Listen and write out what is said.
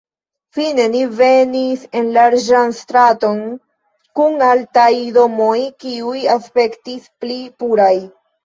Fine ni venis en larĝan straton kun altaj domoj, kiuj aspektis pli puraj.